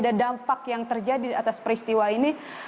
dan dampak yang terjadi atas peristiwa ini